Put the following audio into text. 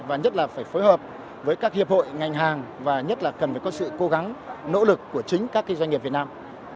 và nhất là phải phối hợp với các hiệp hội ngành hàng và nhất là cần phải có sự cố gắng nỗ lực của chính các doanh nghiệp việt nam